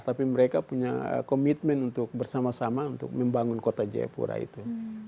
tapi mereka punya komitmen untuk bersama sama untuk membangun kota jayapura itu